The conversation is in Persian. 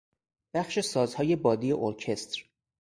بخش سازهای بادی ارکستر